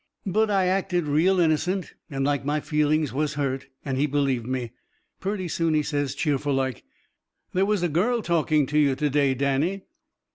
But I acted real innocent and like my feelings was hurt, and he believed me. Purty soon he says, cheerful like: "There was a girl talking to you to day, Danny."